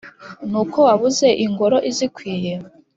Ni uko wabuze ingoro izikwiye?